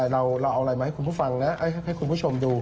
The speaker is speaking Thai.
เราเอาอะไรมาให้คุณผู้ชมดู